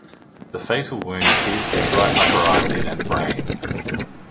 The fatal wound pierced his right upper eyelid and brain.